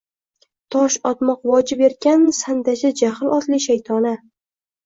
Tosh otmoq vojib erkan sandachi jahl otli shaytona